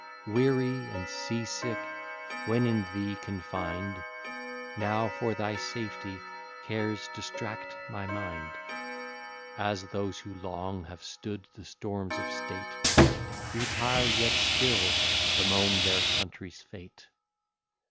Weary and sea sick, when in thee confined, Now for thy safety cares distract my mind; As those who long have stood the storms of state Retire, yet still bemoan their country's fate.